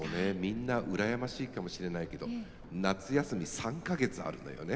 みんな羨ましいかもしれないけど夏休み３か月あるのよね。